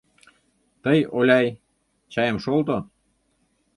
Тый, Оляй, чайым шолто!..